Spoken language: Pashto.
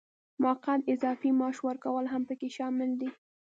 موقت اضافي معاش ورکول هم پکې شامل دي.